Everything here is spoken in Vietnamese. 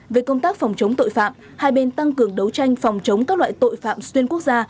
về công tác phòng chống tội phạm hai bên tăng cường đấu tranh phòng chống các loại tội phạm xuyên quốc gia